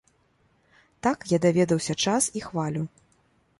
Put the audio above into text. Так я даведаўся час і хвалю.